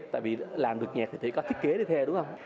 tại vì làm được nhạc thì chỉ có thiết kế đi theo đúng không